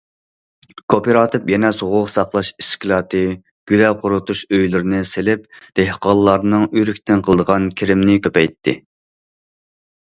كوپىراتىپ يەنە سوغۇق ساقلاش ئىسكىلاتى، گۈلە قۇرۇتۇش ئۆيلىرىنى سېلىپ، دېھقانلارنىڭ ئۆرۈكتىن قىلىدىغان كىرىمىنى كۆپەيتتى.